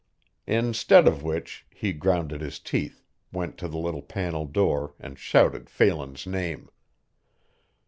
Instead of which he ground his teeth, went to the little panel door and shouted Phelan's name.